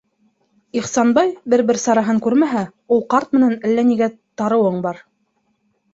Ихсанбай бер-бер сараһын күрмәһә, ул ҡарт менән әллә нигә тарыуың бар.